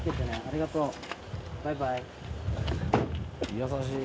優しい。